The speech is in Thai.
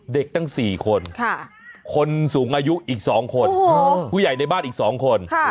เด็กตั้ง๔คนคนสูงอายุอีก๒คนผู้ใหญ่ในบ้านอีก๒คน